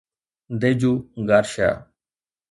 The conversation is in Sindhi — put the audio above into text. ديجو گارشيا